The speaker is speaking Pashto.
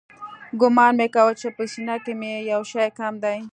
ګومان مې کاوه چې په سينه کښې مې يو شى کم دى.